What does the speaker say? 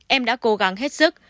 em đã cố gắng hết sức